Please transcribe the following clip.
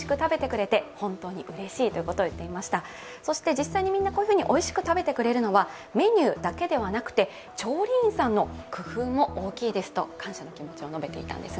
実際においしく食べてくれるのはメニューだけではなくて、調理員さんの工夫も大きいですと感謝の気持ちを述べていました。